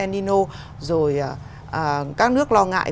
rồi các nước lo ngại